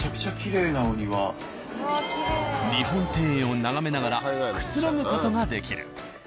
日本庭園を眺めながらくつろぐ事ができる。